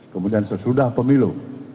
kemudian sesudah pemilu